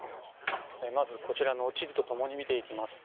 まずこちらの地図と共に見ていきますと